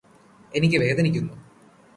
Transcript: എനിക്ക് വേദനിക്കുന്നു